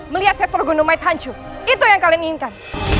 melihat setrogondomayit hancur itu yang kalian inginkan